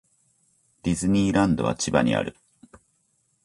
ディズニーランドは千葉にある